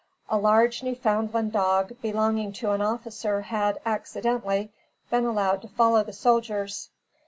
A large Newfoundland dog belonging to an officer had, accidentally, been allowed to follow the soldiers.